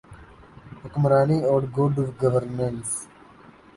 حکمرانی اورگڈ گورننس۔